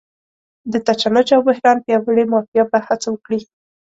د تشنج او بحران پیاوړې مافیا به هڅه وکړي.